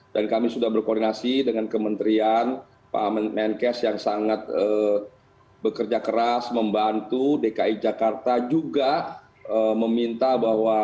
dan kami sudah berkoordinasi dengan kementerian pak menkes yang sangat bekerja keras membantu dki jakarta juga meminta bahwa